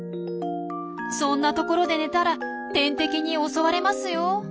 そんな所で寝たら天敵に襲われますよ。